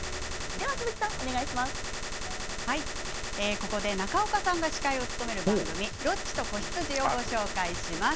ここで中岡さんが司会を務める番組「ロッチと子羊」をご紹介します。